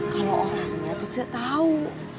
kalo orangnya tuh cik tau